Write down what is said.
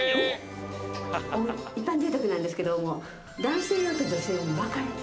一般住宅なんですけども男性用と女性用に分かれて。